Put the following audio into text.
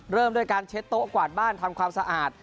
เริ่มด้วยการเช็ดโต๊ะกวาดบ้านทำความสะอาด